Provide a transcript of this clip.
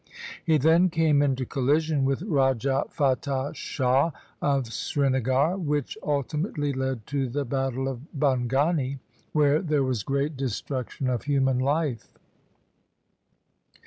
He then came into collision with Raja Fatah Shah of Srinagar, which ultimately led to the battle of Bhangani, where there was great destruc tion of human life.